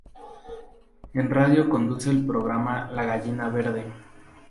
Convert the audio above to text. En radio conduce el programa "La gallina verde".